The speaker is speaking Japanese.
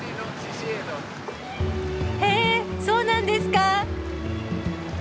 へえそうなんですか。